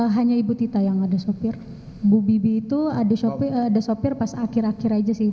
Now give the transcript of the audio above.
hanya ibu tita yang ada sopir bu bibi itu ada sopir pas akhir akhir aja sih